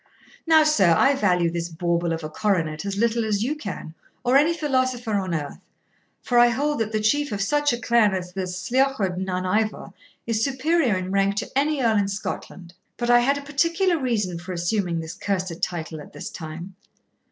Now, sir, I value this bauble of a coronet as little as you can, or any philosopher on earth; for I hold that the chief of such a clan as the Sliochd nan Ivor is superior in rank to any earl in Scotland. But I had a particular reason for assuming this cursed title at this time.